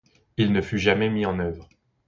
Il ne fut jamais mis en œuvre.